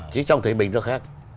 chứ trong thời mình nó khác